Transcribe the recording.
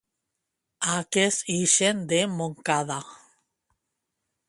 Haques ixen de Montcada!